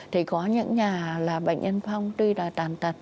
thì có những nhà là bệnh nhân phong tuy là tàn tật